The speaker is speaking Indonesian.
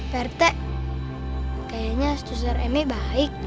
pertek kayaknya susar emi baik